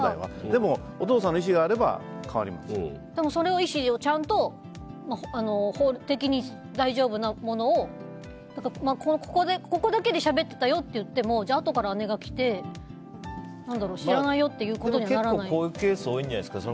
でも、お父さんの意思があればでも、その意思をちゃんと法的に大丈夫なものをここだけでしゃべってたよって言ってもあとから姉が来て知らないよ結構こういうケース多いんじゃないですか。